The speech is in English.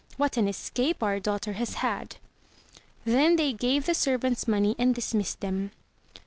What an escape our daughter has had !'' Then they gave the servants money and dismissed them.